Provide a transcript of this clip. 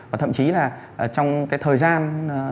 và thậm chí là trong cái thời gian